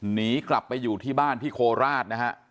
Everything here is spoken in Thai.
หนีกลับไปอยู่ที่บ้านที่โคราชนะฮะ